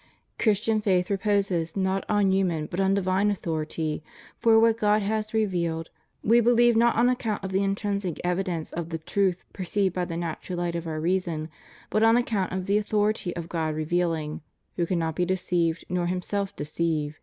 Christian faith reposes not on human but on divine authority, for what God has revealed "we beUeve not on account of the intrinsic evidence of the truth perceived by the natural light of our reason, but on account of the authority of God revealing, who cannot be deceived nor himself deceive."